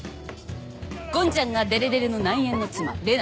ゴンちゃんがデレデレの内縁の妻麗奈。